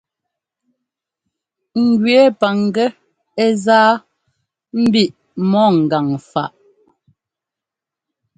Njʉɛ́ paŋgɛ́ ɛ́ zá mbiʼ mɔ ŋgan faʼ.